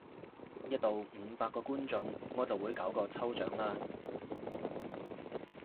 一到五百個觀眾我就會搞個抽獎喇！